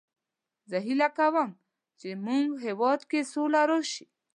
زه هیله کوم چې د مونږ هیواد کې سوله راشي